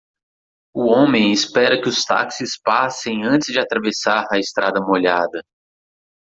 O homem espera que os táxis passem antes de atravessar a estrada molhada